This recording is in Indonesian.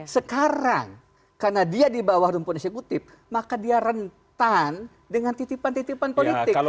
sekarang karena dia di bawah rumput eksekutif maka dia rentan dengan titipan titipan politik